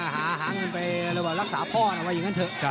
หาเรื่องไปลักษาพ่อเขาว่าอย่างนั้นเถอะ